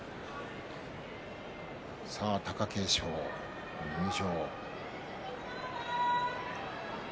貴景勝、入場。